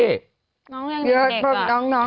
เยอะบริกา